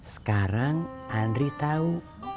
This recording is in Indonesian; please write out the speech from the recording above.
sekarang andri tau